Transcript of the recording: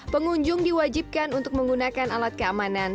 pengunjung diwajibkan untuk menggunakan alat keamanan